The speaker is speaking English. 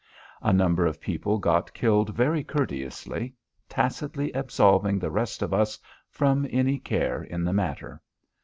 A number of people got killed very courteously, tacitly absolving the rest of us from any care in the matter.